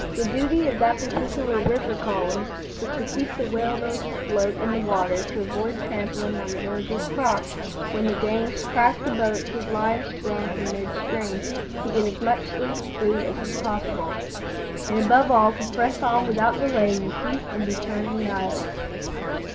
The duty of that particular river column was to keep the whale boats afloat in the water, to avoid trampling on the villagers' crops when the gangs "tracked' the boats with lines thrown from midstream, to get as much sleep and food as was possible, and, above all, to press on without delay in the teeth of the churning Nile.